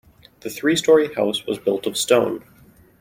The three story house was built of stone.